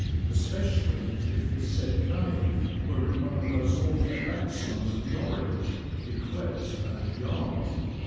especially if his said cave were in one of those awful back slums of Norwich yclept a " yard."